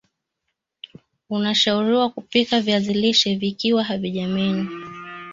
Unashauriwa kupika viazi lishe vikiwa havija menywa